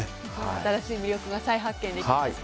新しい魅力が再発見できました。